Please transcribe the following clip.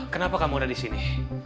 kenapa kamu udah disini